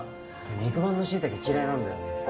肉まんのしいたけ嫌いなんだよね